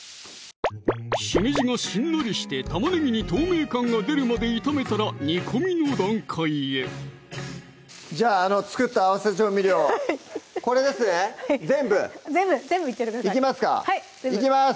しめじがしんなりして玉ねぎに透明感が出るまで炒めたら煮込みの段階へじゃあ作った合わせ調味料をこれですね全部全部いっちゃってくださいいきますかいきます